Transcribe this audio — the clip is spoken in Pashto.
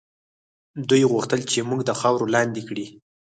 دوی غوښتل چې موږ د خاورو لاندې کړي.